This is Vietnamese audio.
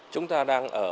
chúng ta đang ở